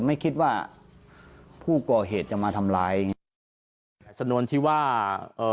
ไม่คิดว่าผู้ก่อเหตุจะมาทำลายส่วนที่ว่าเอ่อ